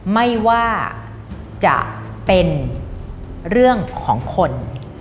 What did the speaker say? ไม่ว่าจะเป็นเรื่องของคน